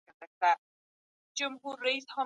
مجرمین باید خپله سزا تېره کړي.